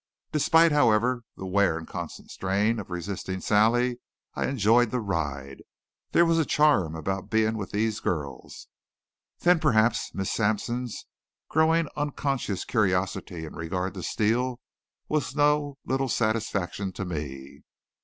Despite, however, the wear and constant strain of resisting Sally, I enjoyed the ride. There was a charm about being with these girls. Then perhaps Miss Sampson's growing unconscious curiosity in regard to Steele was no little satisfaction to me.